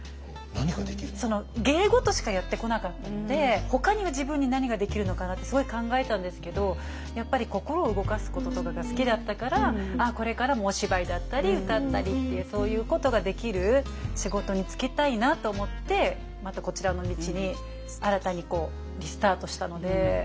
芸事しかやってこなかったのでほかには自分に何ができるのかなってすごい考えたんですけどやっぱり心を動かすこととかが好きだったからこれからもお芝居だったり歌ったりっていうそういうことができる仕事に就きたいなと思ってまたこちらの道に新たにリスタートしたので。